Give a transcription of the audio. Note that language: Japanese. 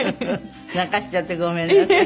泣かしちゃってごめんなさい。